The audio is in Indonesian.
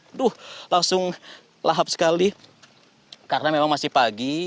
aduh langsung lahap sekali karena memang masih pagi